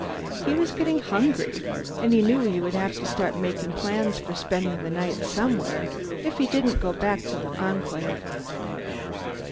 He was getting hungry and he knew he would have to start making plans for spending the night somewhere, if he didn't go back to the Enclave.